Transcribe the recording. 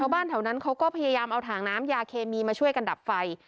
บ้านแถวนั้นเขาก็พยายามเอาถังน้ำยาเคมีมาช่วยกันดับไฟ